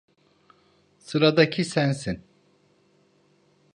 Sıradaki sensin.